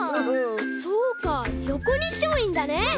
そうかよこにしてもいいんだね。